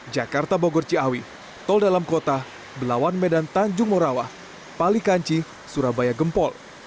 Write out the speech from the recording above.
jakarta bogor ciawi tol dalam kota belawan medan tanjung morawah pali kanci surabaya gempol